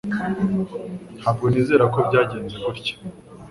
Ntabwo nizera ko byagenze gutya